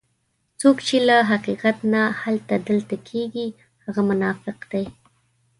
څوک چې له حقیقت نه هلته دلته کېږي هغه منافق دی.